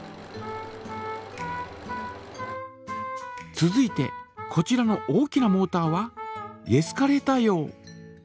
続いてこちらの大きなモータはエスカレーター用。